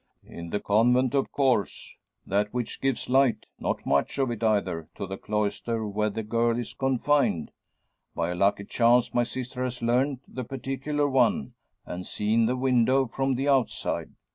"In the Convent of course. That which gives light not much of it either to the cloister where the girl is confined. By a lucky chance my sister has learnt the particular one, and seen the window from the outside.